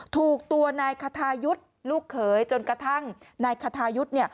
ถูกตัวนายคทายุทธ์ลูกเขยจนกระทั่งนายคทายุทธ์